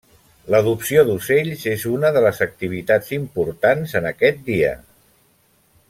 L'adopció d'ocells és una de les activitats importants en aquest dia.